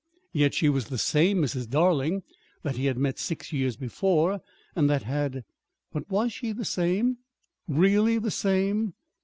Yet she was the same Mrs. Darling that he had met six years before, and that had But was she the same, really the same?